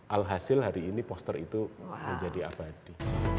alhasil hari ini poster itu menjadi abadi